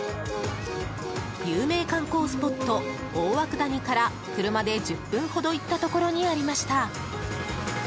有名観光スポット、大涌谷から車で１０分ほど行ったところにありました。